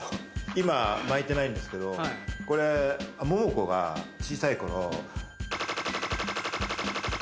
今巻いてないんですけれど、これ桃子が小さい頃、○○。